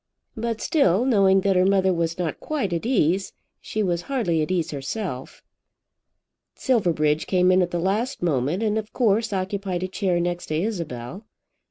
But still, knowing that her mother was not quite at ease, she was hardly at ease herself. Silverbridge came in at the last moment, and of course occupied a chair next to Isabel.